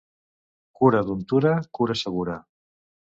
Cura d'untura, cura segura.